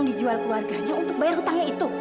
dijual keluarganya untuk bayar hutangnya itu